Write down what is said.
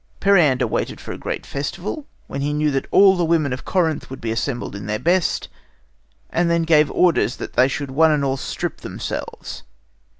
Periander waited for a great festival, when he knew that all the women of Corinth would be assembled in their best, and then gave orders that they should one and all strip themselves.